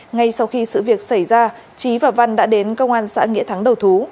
ngay sau khi sự việc xảy ra trí và văn đã đến công an xã nghĩa thắng đầu thú